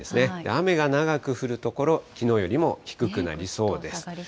雨が長く降る所、きのうよりも低くなりそうです。